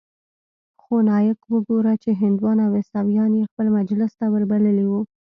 خو نايک وګوره چې هندوان او عيسويان يې خپل مجلس ته وربللي وو.